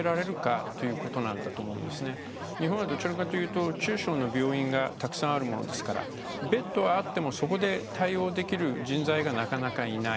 日本はどちらかというと中小の病院はたくさんあるのでベッドがあってもそこで対応できる人材がなかなかいない。